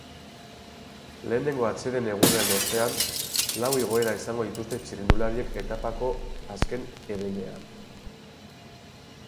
Lehenengo atseden egunaren ostean, lau igoera izango dituzte txirrindulariek etapako azken herenean.